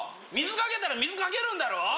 水掛けたら水掛けるんだろ！？